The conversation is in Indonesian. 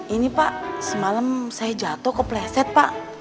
ini pak semalam saya jatuh kepleset pak